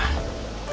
udah punya suami